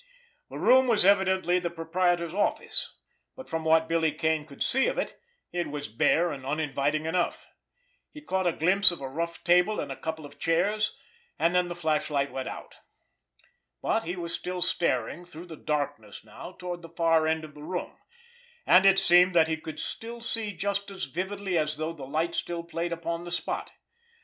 The room was evidently the proprietor's office; but from what Billy Kane could see of it, it was bare and uninviting enough. He caught a glimpse of a rough table and a couple of chairs, and then the flashlight went out. But he was still staring, through the darkness now, toward the far end of the room—and it seemed that he could still see just as vividly as though the light still played upon the spot.